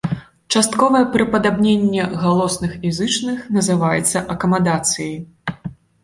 Частковае прыпадабненне галосных і зычных называецца акамадацыяй.